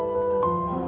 ああ。